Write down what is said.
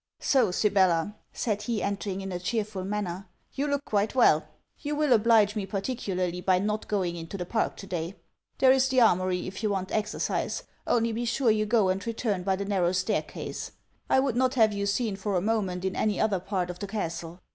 'So, Sibella,' said he, entering in a cheerful manner, 'you look quite well. You will oblige me particularly by not going into the park to day. There's the armoury if you want exercise only be sure you go and return by the narrow stair case. I would not have you seen for a moment in any other part of the castle.